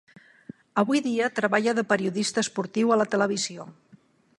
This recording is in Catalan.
Avui dia treballa de periodista esportiu a la televisió.